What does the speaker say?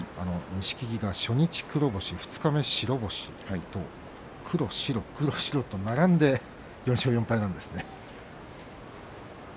錦木は初日黒星で二日目、白星黒白黒白と並んで４勝４敗なんですね。